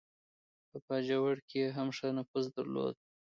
په باجوړ کې یې هم ښه نفوذ درلود.